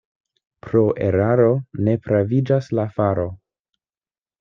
Pro eraro ne praviĝas la faro.